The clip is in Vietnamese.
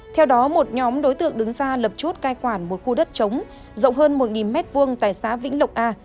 theo đó một nhóm đối tượng đứng ra lập chốt cai quản một khu đất chống rộng hơn một m hai tại xã vĩnh lộc a